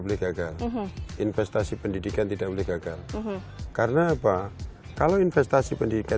boleh gagal investasi pendidikan tidak boleh gagal karena apa kalau investasi pendidikan